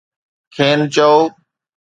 کين چئو.